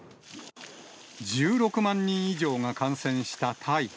１６万人以上が感染したタイ。